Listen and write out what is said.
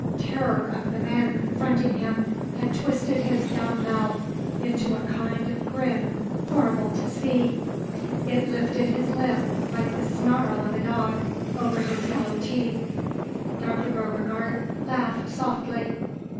Terror of the man confronting him had twisted his dumb mouth into a kind of grin horrible to see. It lifted his lip, like the snarl of a dog, over his yellow teeth. Dr. Beauregard laughed softly.